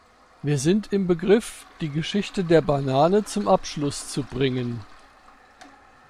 Wir sind im Begriff, die Geschichte der Banane zum Abschluss zu bringen.